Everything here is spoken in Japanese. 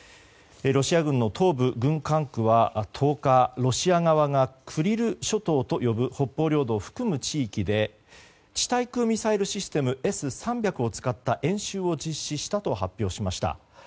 ロシア軍の東部軍管区は１０日、ロシア側がクリル諸島と呼ぶ北方領土を含む地域で地対空ミサイルシステムＳ‐３００を使った演習を実施したと発表しました。